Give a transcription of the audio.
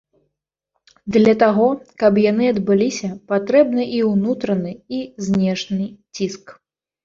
Для таго, каб яны адбыліся, патрэбны і ўнутраны, і знешні ціск.